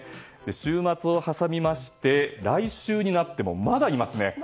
週末を挟みまして来週になってもまだいます。